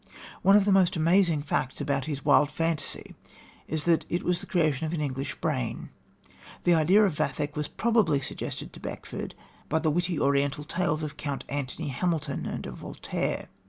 One of the most amazing facts about his wild fantasy is that it was the creation of an English brain. The idea of Vathek was probably suggested to Beckford by the witty Oriental tales of Count Antony Hamilton and of Voltaire.